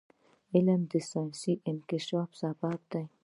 علم د ساینسي انکشاف سبب دی.